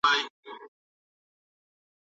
د رباني مرحلې په اړه معلومات راکړئ.